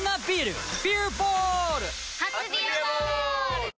初「ビアボール」！